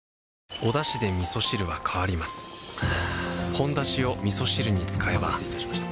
「ほんだし」をみそ汁に使えばお待たせいたしました。